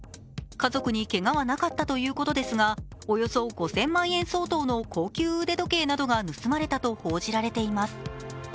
家族にけがはなかったということですが、およそ５０００万円相当の高級腕時計などが盗まれたと報じられています。